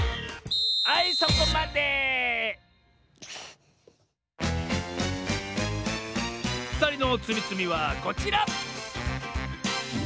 はいそこまでふたりのつみつみはこちら！